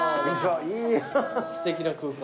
すてきな空間。